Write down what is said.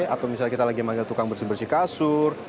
atau misalnya kita lagi manggil tukang bersih bersih kasur